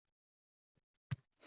Kimsan o‘zing?